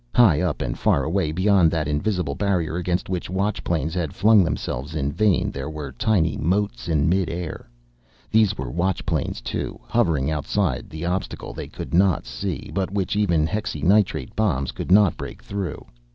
High up and far away, beyond that invisible barrier against which Watch planes had flung themselves in vain, there were tiny motes in mid air. These were Watch planes too, hovering outside the obstacle they could not see, but which even hexynitrate bombs could not break through.